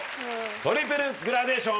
トリプルグラデーション。